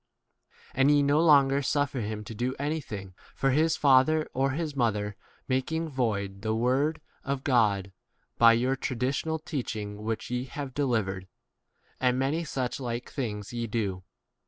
And ye no longer suffer him to do any thing for his father or his mother, 13 making void the word of God by your traditional teaching which ye have delivered ; and many such 14 like things ye do.